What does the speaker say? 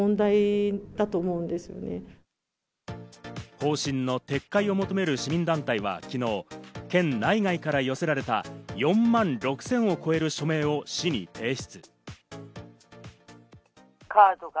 方針の撤回を求める市民団体は昨日、県内外から寄せられた４万６０００を超える署名を市に提出。